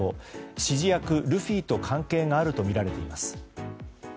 指示役ルフィと関係があるとみられています。